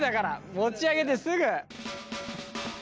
持ち上げてすぐ！